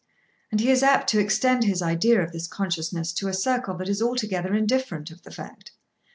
And he is apt to extend his idea of this consciousness to a circle that is altogether indifferent of the fact.